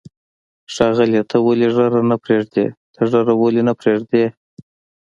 ښاغلیه، ته ولې ږیره نه پرېږدې؟ ته ږیره ولې نه پرېږدی؟